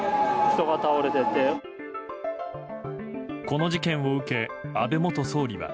この事件を受け、安倍元総理は。